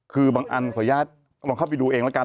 คือบางอันขออนุญาตลองเข้าไปดูเองแล้วกัน